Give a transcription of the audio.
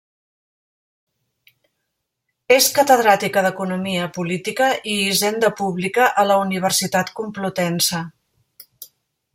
És catedràtica d'Economia Política i Hisenda Pública a la Universitat Complutense.